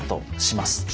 します。